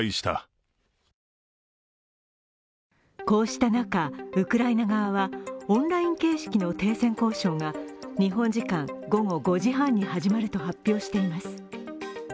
こうした中、ウクライナ側はオンライン形式の停戦交渉が日本時間午後５時半に始まると発表しています。